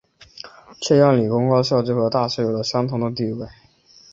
这样理工高校就和大学有了相同的地位。